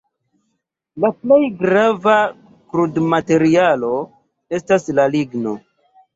La plej grava krudmaterialo estas la ligno.